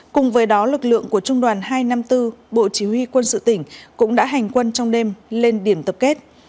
cùng với đó lực lượng của trung đoàn hai trăm năm mươi bốn bộ chỉ huy quân sự tỉnh cũng đã hành quân trong đêm lên điểm tập kết